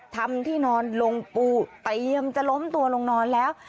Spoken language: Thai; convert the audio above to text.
ทำที่นอนลงปูเตรียมจะล้มตัวลงนอนแล้ว